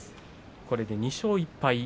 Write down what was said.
これで２勝１敗。